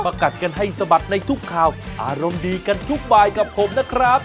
กัดกันให้สะบัดในทุกข่าวอารมณ์ดีกันทุกบายกับผมนะครับ